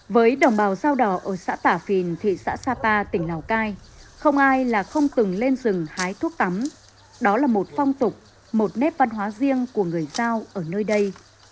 với đồng bào giao đỏ ở xã tả phìn thị xã sapa tỉnh lào cai không ai là không từng lên rừng hái thuốc tắm đó là một phong tục một nét văn hóa riêng của người giao ở nơi đây